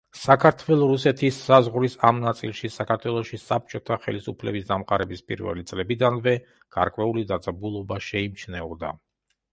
საქართველო-რუსეთის საზღვრის ამ ნაწილში საქართველოში საბჭოთა ხელისუფლების დამყარების პირველი წლებიდანვე გარკვეული დაძაბულობა შეიმჩნეოდა.